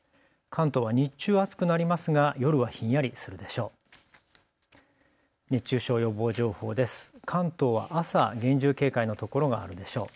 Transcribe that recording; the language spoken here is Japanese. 関東は日中、暑くなりますが夜はひんやりするでしょう。